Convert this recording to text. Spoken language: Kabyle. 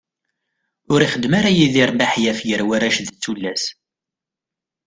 Ur ixeddem ara Yidir maḥyaf gar warrac d tullas.